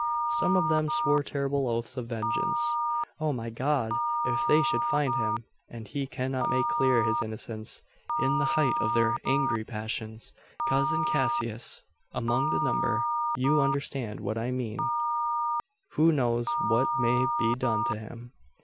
Some of them swore terrible oaths of vengeance. O my God! if they should find him, and he cannot make clear his innocence, in the height of their angry passions cousin Cassius among the number you understand what I mean who knows what may be done to him?